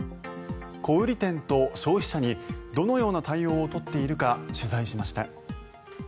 小売店と消費者にどのような対応を取っているか取材しました。